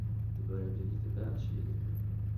Det börjar bli lite väl kyligt nu.